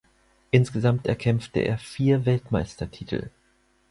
Insgesamt erkämpfte er vier Weltmeistertitel.